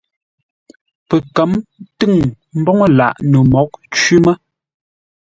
Pəkə̌m tʉ̂ŋ mboŋə́ lǎʼ no mǒghʼ cwí mə́.